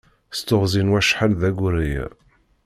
S teɣzi n wacḥal d aggur aya.